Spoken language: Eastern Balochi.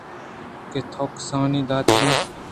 کہ تو کسانی ءَ داتگ اَنت